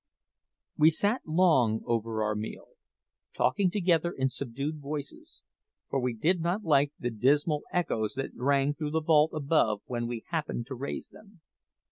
We sat long over our meal, talking together in subdued voices, for we did not like the dismal echoes that rang through the vault above when we happened to raise them.